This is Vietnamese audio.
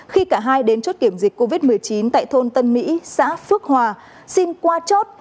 khi cả hai đến chốt kiểm dịch covid một mươi chín tại thôn tân mỹ xã phước hòa xin qua chốt